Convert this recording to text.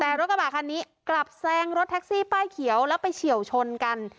แต่รถกระบะคันนี้กลับแซงรถแท็กซี่ป้ายเขียวแล้วไปเฉียวชนกัน